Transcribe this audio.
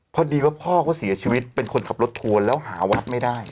พอดีว่าพ่อเขาเสียชีวิตเป็นคนขับรถทัวร์แล้วหาวัดไม่ได้